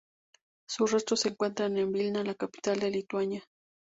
Sus restos se encuentran en Vilna, la capital de Lituania.